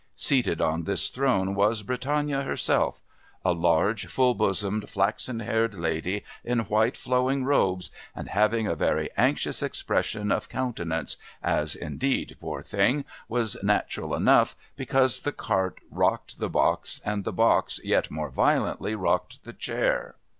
Seated on this throne was Britannia herself a large, full bosomed, flaxen haired lady in white flowing robes, and having a very anxious expression of countenance, as, indeed, poor thing, was natural enough, because the cart rocked the box and the box yet more violently rocked the chair.